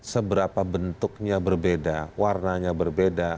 seberapa bentuknya berbeda warnanya berbeda